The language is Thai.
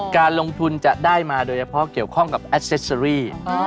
การลงทุนจะได้มาโดยเฉพาะเกี่ยวข้องกับแอดเซสเตอรี่